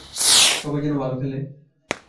সবাই যেন ভালো খেলে।